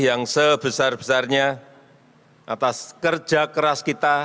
yang sebesar besarnya atas kerja keras kita